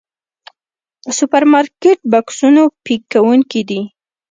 سوپرمارکېټ بکسونو پيک کوونکي دي.